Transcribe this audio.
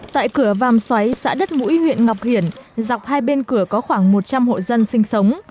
tại cửa vàm xoáy xã đất mũi huyện ngọc hiển dọc hai bên cửa có khoảng một trăm linh hộ dân sinh sống